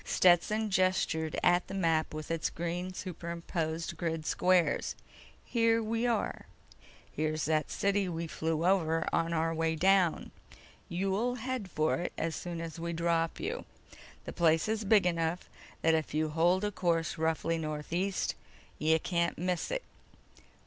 Stetson gestured at the map with its green superimposed grid squares. "Here we are. Here's that city we flew over on our way down. You'll head for it as soon as we drop you. The place is big enough that if you hold a course roughly northeast you can't miss it.